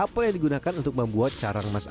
apa yang digunakan untuk membuat carang emas apel